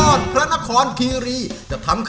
โดยการแข่งขาวของทีมเด็กเสียงดีจำนวนสองทีม